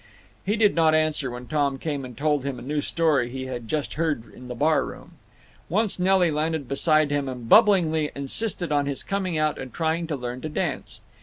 He did not answer when Tom came and told him a new story he had just heard in the barroom. Once Nelly landed beside him and bubblingly insisted on his coming out and trying to learn to dance.